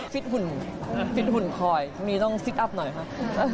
สิ้นขุนคอยนี้ต้องซิทซี่อัพหน่อยครับ